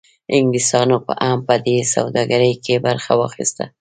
انګلیسانو هم په دې سوداګرۍ کې برخه واخیسته.